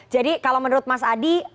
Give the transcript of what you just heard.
jadi kalau menurut mas ad